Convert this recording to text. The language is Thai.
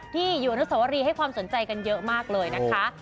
ที่อยู่อนุสวรีให้ความสนใจกันเยอะมากเลยนะคะ